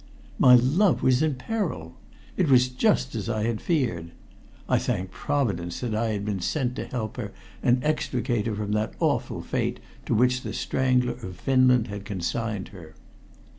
My love was in peril! It was just as I had feared. I thanked Providence that I had been sent to help her and extricate her from that awful fate to which "The Strangler of Finland" had consigned her.